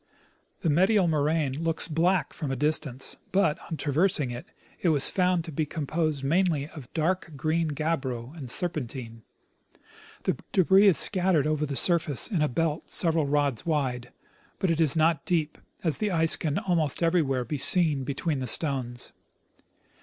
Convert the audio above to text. The medial moraine looks black from a distance, but. on traversing it, it was found to be com posed mainly of dark green gabbro and serpentine. The debris is scattered over the surface in a belt several rods wide ; but it is not deep, as the ice can almost everywhere be seen between the stones.